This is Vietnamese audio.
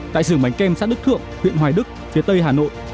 tại sưởng bánh kem xã đức thượng huyện hoài đức phía tây hà nội